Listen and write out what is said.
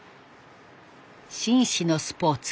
紳士のスポーツ。